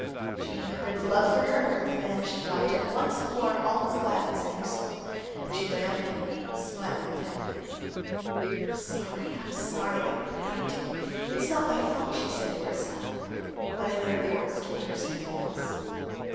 She remembered the love for her of the man she loved, and once more all was gladness in her soul, and she lay on the pillow, smiling with happiness. "I'm sorry, I'm sorry; but what could I do? It's not my fault," she said to herself; but an inner voice told her something else.